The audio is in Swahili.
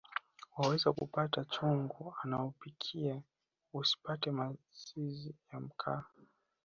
Wawezakupakata chungu anachopikia usipate masizi ya mkaa